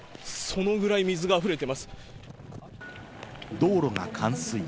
道路が冠水。